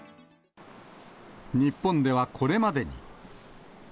日本ではこれまでに。